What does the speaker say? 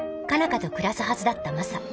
花と暮らすはずだったマサ。